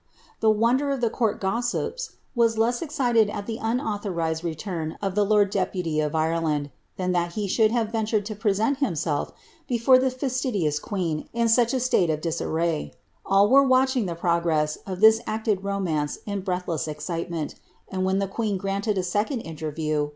' The wonder of the court gossips was less excited at the anauthonzed return of the lord deputy of Ireland, than that he should have ventured ' Sidney Papers ; Camden ; Birch. nS ELIZABETH. to present himeeTr before the faatidious queen in such a state of disarn A\l were wstcbing the progress of this acted romance in breathleia e ciiemeDt, and when the queen granted a second inierriev.